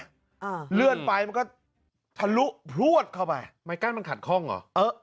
อ่าเลื่อนไปมันก็ทะลุพลวดเข้าไปไม้กั้นมันขัดข้องเหรอเออ